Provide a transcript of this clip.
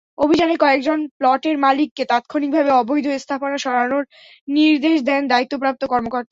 অভিযানে কয়েকজন প্লটের মালিককে তাৎক্ষণিকভাবে অবৈধ স্থাপনা সরানোর নির্দেশ দেন দায়িত্বপ্রাপ্ত কর্মকর্তা।